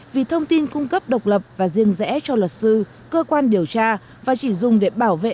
vì thông tin cung cấp độc lập và riêng rẽ cho luật sư cơ quan điều tra và chỉ dùng để bảo vệ